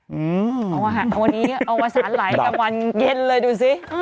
วันนี้เอาวัสานหลายกับวันเย็นเลยดูซิ